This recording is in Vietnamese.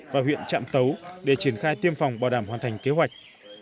và huyện trạm tấu để triển khai tiêm phòng bảo đảm hoàn thành kế hoạch